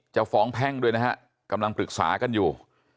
จะฟ้องแพ่งด้วยนะฮะกำลังปรึกษากันอยู่